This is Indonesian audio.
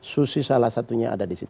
susi salah satunya ada di situ